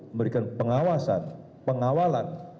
memberikan pengawasan pengawalan